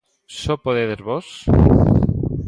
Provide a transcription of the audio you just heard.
¿Só podedes vós?